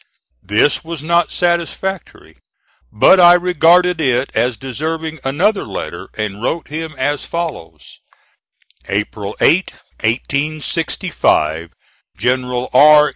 This was not satisfactory, but I regarded it as deserving another letter and wrote him as follows: April 8, 1865. GENERAL R.